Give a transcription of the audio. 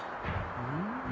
うん。